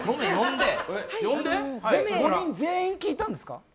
５人全員、聞いたんですか？